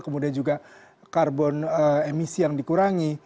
kemudian juga karbon emisi yang dikurangi